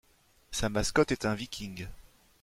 Sa mascotte est un Viking.